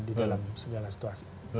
di dalam segala situasi